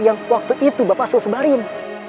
yang waktu itu bapak suruh sebarin